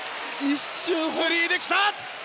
スリーできた！